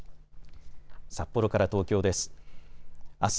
札幌から東京です。